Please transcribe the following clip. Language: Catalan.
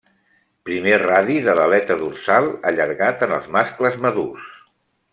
Primer radi de l'aleta dorsal allargat en els mascles madurs.